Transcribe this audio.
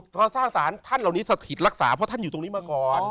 ตอนสร้างสารท่านเหล่านี้สถิตรักษาเพราะท่านอยู่ตรงนี้มาก่อน